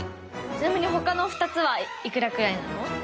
ちなみに他の２つはいくらくらいなの？